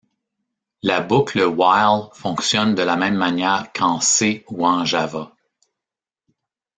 La boucle while fonctionne de la même manière qu'en C ou en Java.